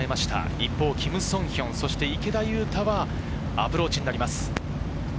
一方、キム・ソンヒョン、池田勇太はアプローチになります。